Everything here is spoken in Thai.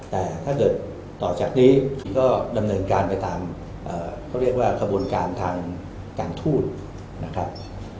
แต่ถ้าเกิดต่อจากนี้ก็ดำเนินการไปตามคบลการทางการทูตนะครับ